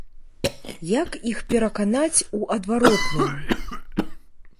Як іх пераканаць у адваротным?